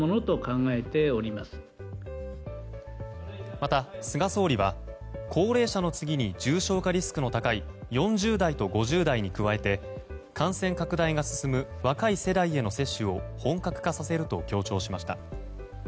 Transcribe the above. また菅総理は高齢者の次に重症化リスクの高い４０代と５０代に加えて感染拡大が進む若い世代への接種を本格化させると強調しました。